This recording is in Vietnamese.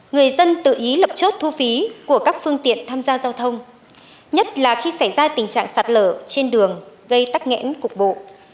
người dân tự ý lập chốt thu phí của các phương tiện tham gia giao thông nhất là khi xảy ra tình trạng sạt lở trên đường gây tắc nghẽn cục bộ